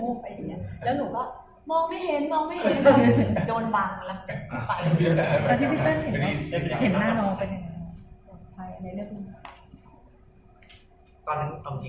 แต่พี่เต้านี่เห็นหน้าน้องไหน